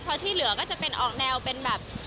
พอที่เหลือก็จะเป็นออกแนวเป็นแบบ